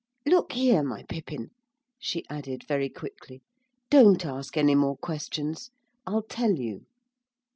Look here, my Pippin,' she added, very quickly, 'don't ask any more questions. I'll tell you.